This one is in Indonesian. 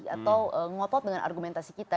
atau ngopot dengan argumentasi kita